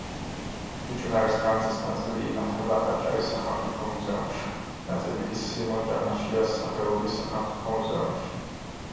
ფიჭვნარის განძის ნაწილი ინახება აჭარის სახელმწიფო მუზეუმში, ნაწილი კი სიმონ ჯანაშიას სახელობის სახელმწიფო მუზეუმში.